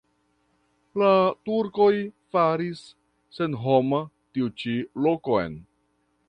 La turkoj faris senhoma tiu ĉi lokon.